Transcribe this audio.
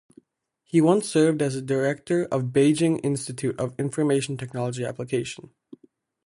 He once served as director of Beijing Institute of Information Technology Application.